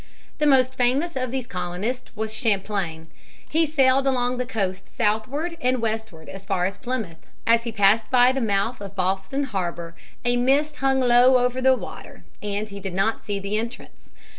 The most famous of these colonists was Champlain. He sailed along the coast southward and westward as far as Plymouth. As he passed by the mouth of Boston harbor, a mist hung low over the water, and he did not see the entrance.